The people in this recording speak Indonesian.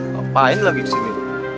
ngapain lagi disini